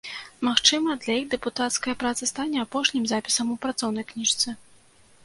Магчыма, для іх дэпутацкая праца стане апошнім запісам у працоўнай кніжцы.